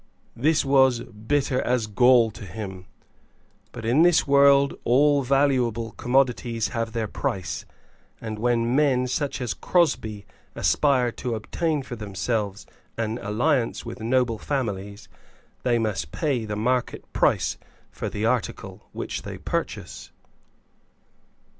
This was bitter as gall to him. But in this world all valuable commodities have their price; and when men such as Crosbie aspire to obtain for themselves an alliance with noble families, they must pay the market price for the article which they purchase.